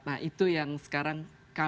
nah itu yang sekarang kami berterima kasih